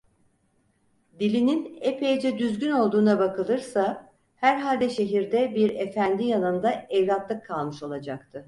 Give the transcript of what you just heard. Dilinin epeyce düzgün olduğuna bakılırsa herhalde şehirde bir efendi yanında evlatlık kalmış olacaktı.